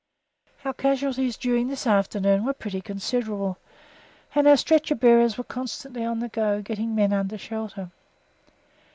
Our casualties during this afternoon were pretty considerable, and our stretcher bearers were constantly on the "go" getting men under shelter.